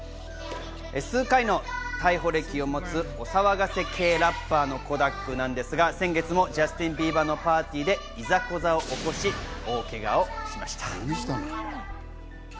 数回の逮捕歴を持つお騒がせ系ラッパーのコダックなんですが、先月もジャスティン・ビーバーのパーティーでいざこざを起こし、大けがをしました。